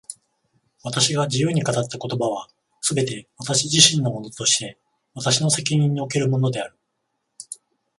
私が自由に語った言葉は、すべて私自身のものとして私の責任におけるものである。